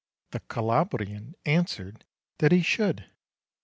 The Calabrian answered that he should.